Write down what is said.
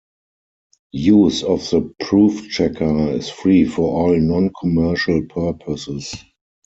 Use of the proof checker is free for all non-commercial purposes.